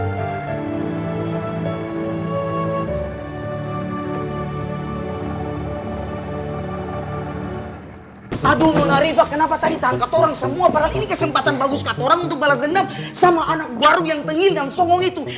padahal ini kesempatan bagus katorang untuk balas dendam sama anak baru yang tengil dan songong itu